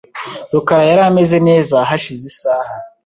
rukara yari ameze neza hashize isaha .